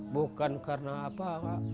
bukan karena apa